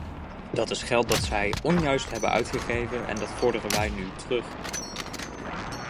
Dat is geld dat zij onjuist hebben uitgegeven en dat vorderen wij nu terug.